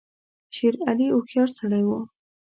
شېر علي هوښیار سړی وو.